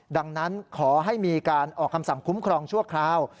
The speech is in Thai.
ดังนั้นขอให้มีการออกคำสั่งคุ้มครองชั่วคราว